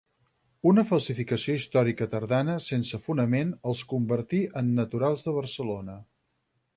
Una falsificació històrica tardana, sense fonament, els convertí en naturals de Barcelona.